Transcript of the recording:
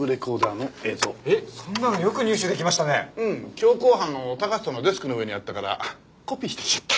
強行犯の高瀬さんのデスクの上にあったからコピーしてきちゃった！